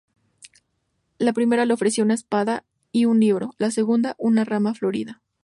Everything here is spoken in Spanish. La primera le ofreció una espada y un libro; la segunda, una rama florida.